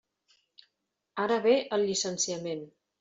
Ara ve el llicenciament.